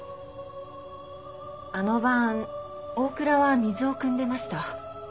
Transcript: あの晩大倉は水をくんでました。